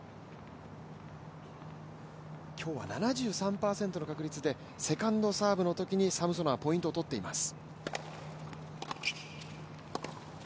今日は７３％の確率でセカンドサーブのときにサムソノワ、ポイントを取っています。